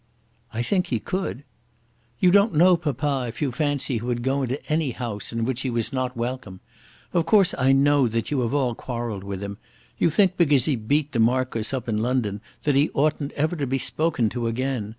"I think he could." "You don't know papa if you fancy he would go into any house in which he was not welcome. Of course I know that you have all quarrelled with him. You think because he beat the Marquis up in London that he oughtn't ever to be spoken to again.